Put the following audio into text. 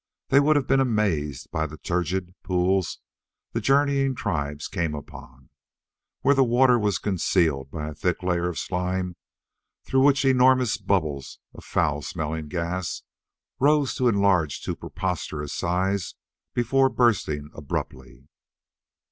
They would have been amazed by the turgid pools the journeying tribe came upon, where the water was concealed by a thick layer of slime through which enormous bubbles of foul smelling gas rose to enlarge to preposterous size before bursting abruptly.